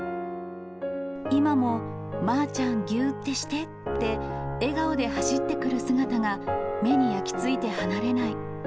今も、まぁちゃん、ぎゅーってして！って、笑顔で走ってくる姿が目に焼きついて離れない。